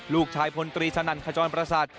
ลูกชายพลตรีสนั่นขจรประสาท